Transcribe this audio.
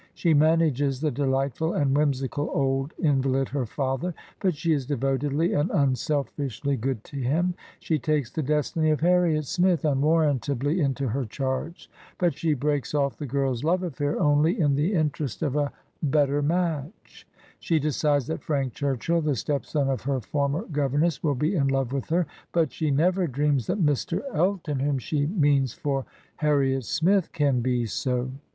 She manages the dehghttul and whimsical old invalid her fa ther, but she is devotedly and unself i shly guud L6 liim. !^hp t^tr es the destiny of Harriet^ Smith ^^n^f^rr^nfaKly inir^ \y pc charp ;e ^ but she break s oflF the girFs love affair <»ily in the interest of albeCier ^atcn. bne decides that Frank Churchill, the stepson ol her iormer governess, will be in love with her, but she never dreams that Mr. Elton, whom she means for Har riet Smith, can be so.